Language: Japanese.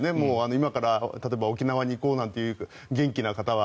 今から例えば沖縄に行こうなんて元気な方は。